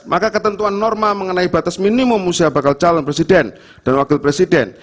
maka ketentuan norma mengenai batas minimum usia bakal calon presiden dan wakil presiden